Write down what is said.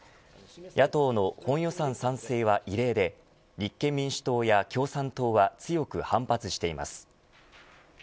野党の本予算賛成は異例で立憲民主党や共産党は強く反発しています。